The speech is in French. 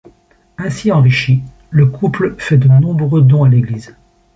Ainsi enrichis, le couple fait de nombreux dons à l'église.